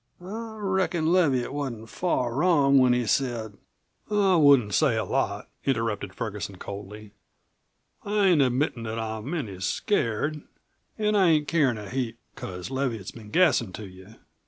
I reckon Leviatt wasn't far wrong when he said " "I wouldn't say a lot," interrupted Ferguson coldly. "I ain't admittin' that I'm any scared. An' I ain't carin' a heap because Leviatt's been gassin' to you.